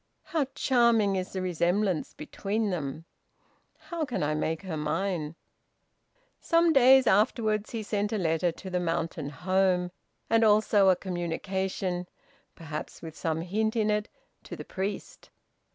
How charming is the resemblance between them! How can I make her mine?" Some days afterwards he sent a letter to the mountain home, and also a communication perhaps with some hint in it to the priest.